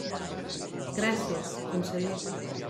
Gràcies, conseller.